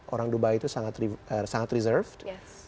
orang dubai itu sangat reserve